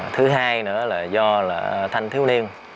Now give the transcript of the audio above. thứ hai nữa là do là thanh thiếu niên